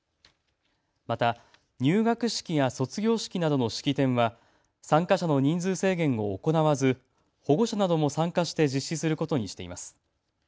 また入学式や卒業式などの式典は参加者の人数制限を行わず保護者なども参加して実施することにしています。